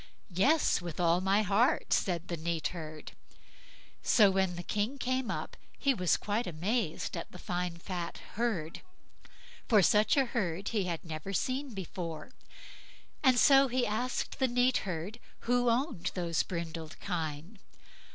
"Yes! with all my heart", said the neat herd. So when the King came up, he was quite amazed at the fine fat herd, for such a herd he had never seen before, and so he asked the neat herd who owned those brindled kine.